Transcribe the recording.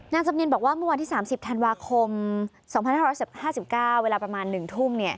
จำเนียนบอกว่าเมื่อวันที่๓๐ธันวาคม๒๕๕๙เวลาประมาณ๑ทุ่ม